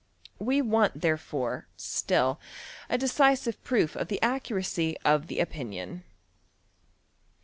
We want therefore, still, a decisive proof of the accuracy of the opinion.